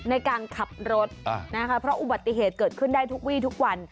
ในการขับรถนะคะเพราะอุบัติเหตุเกิดขึ้นได้ทุกวีทุกวัน